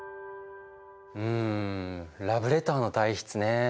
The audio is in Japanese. うんラブレターの代筆ねえ。